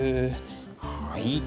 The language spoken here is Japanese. はい。